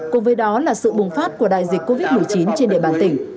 cùng với đó là sự bùng phát của đại dịch covid một mươi chín trên địa bàn tỉnh